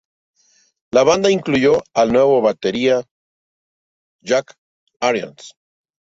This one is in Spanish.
La banda incluyó al nuevo batería Jack Irons.